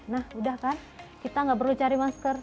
nah udah kan kita nggak perlu cari masker